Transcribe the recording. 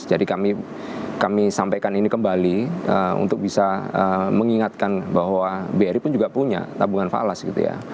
jadi kami sampaikan ini kembali untuk bisa mengingatkan bahwa bri pun juga punya tabungan falas gitu ya